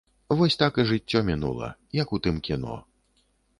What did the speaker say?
Вось так і жыццё мінула, як у тым кіно.